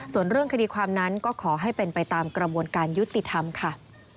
ส่วนเรื่องคดีความนั้นก็ขอให้เป็นไปตามกระบวนการยุติธรรมค่ะ